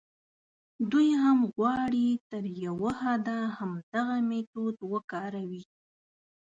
دوی هم غواړي تر یوه حده همدغه میتود وکاروي.